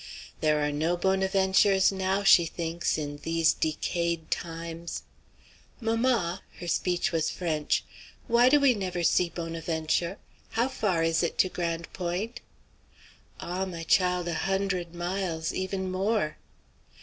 There are no Bonaventures now, she thinks, in these decayed times. "Mamma," her speech was French, "why do we never see Bonaventure? How far is it to Grande Pointe?" "Ah! my child, a hundred miles; even more."